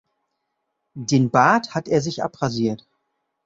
Den Bart hat er sich abrasiert.